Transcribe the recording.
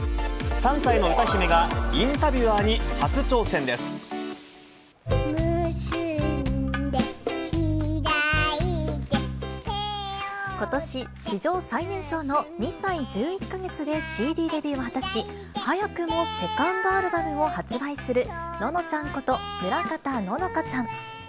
３歳の歌姫がインタビュアーことし、史上最年少の２歳１１か月でＣＤデビューを果たし、早くもセカンドアルバムを発売するののちゃんこと村方乃々佳ちゃん。